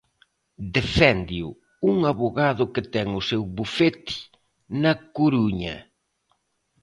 Deféndeo un avogado que ten o seu bufete na Coruña.